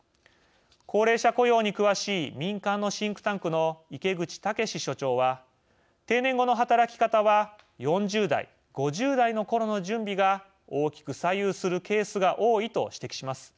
高齢者雇用に詳しい民間のシンクタンクの池口武志所長は「定年後の働き方は４０代・５０代のころの準備が大きく左右するケースが多い」と指摘します。